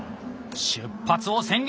出発を宣言！